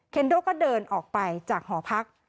โดก็เดินออกไปจากหอพัก